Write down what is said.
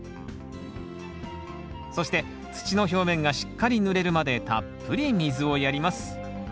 そして土の表面がしっかりぬれるまでたっぷり水をやります。